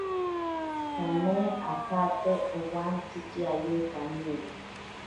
Tsame ajate owantsikiaye kaniri.